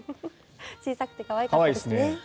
小さくて可愛かったですね。